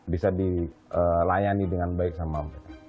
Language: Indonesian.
bisa dilayani dengan baik sama mereka